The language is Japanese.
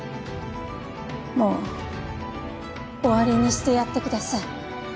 もう終わりにしてやってください。